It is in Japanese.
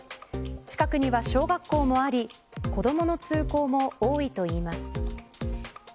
近くには小学校もあり子どもの通行も多いといいます。